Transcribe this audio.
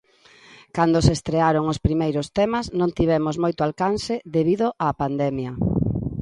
Cando se estrearon os primeiros temas, non tivemos moito alcance debido á pandemia.